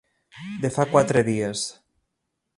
De fa quatre dies.